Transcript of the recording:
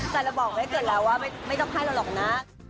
ใจเราบอกให้เกิดแล้วว่าไม่ต้องให้เราหรอกนะ